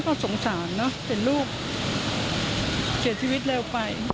คุณแม่ก็สงสารนะเป็นลูกเสียชีวิตเร็วไป